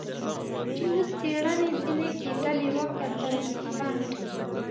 چې اوس څېړنې ځنې کېدلې وکتل، پنډ.